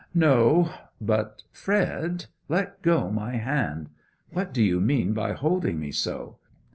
'No, but Fred let go my hand! What do you mean by holding me so?